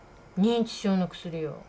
認知症の薬よ。